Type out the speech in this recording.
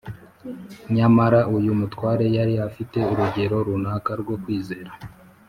Nyamara uyu mutware yari afite urugero runaka rwo kwizera